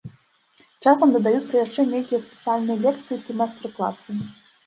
Часам дадаюцца яшчэ нейкія спецыяльныя лекцыі ці майстар-класы.